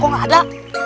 kok gak ada